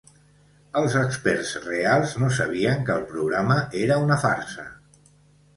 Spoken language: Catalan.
Els experts reals no sabien que el programa era una farsa.